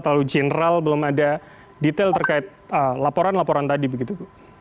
terlalu general belum ada detail terkait laporan laporan tadi begitu